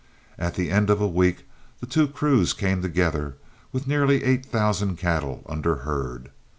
At the end of a week the two crews came together with nearly eight thousand cattle under herd.